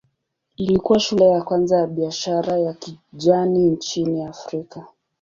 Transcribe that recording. Ilikuwa shule ya kwanza ya biashara ya kijani nchini Afrika.